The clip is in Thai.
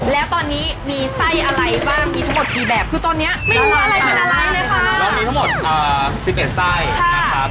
แล้วตอนนี้มีไส้อะไรบ้างมีทั้งหมดกี่แบบคือตอนเนี้ยไม่รู้อะไรเป็นอะไรเลยค่ะเรามีทั้งหมดอ่าสิบเอ็ดไส้นะครับ